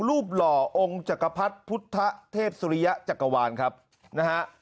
หล่อองค์จักรพรรดิพุทธเทพสุริยะจักรวาลครับนะฮะ